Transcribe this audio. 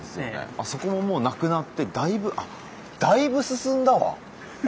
あそこももうなくなってだいぶあっだいぶ進んだわ！